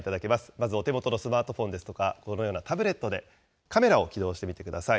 まずお手元のスマートフォンですとか、このようなタブレットでカメラを起動してみてください。